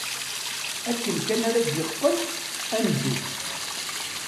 Akken kan ara d-yeqqel, ad neddu.